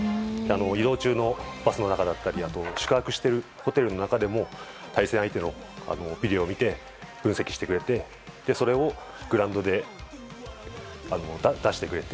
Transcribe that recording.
移動中のバスの中だったり宿泊しているホテルの中でも対戦相手のビデオを見て分析してくれて、それをグラウンドで出してくれて。